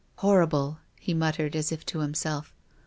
" Horrible !" he muttered, as if to himself.